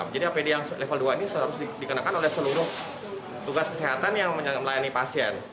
jadi apd yang level dua ini harus dikenakan oleh seluruh tugas kesehatan yang melayani pasien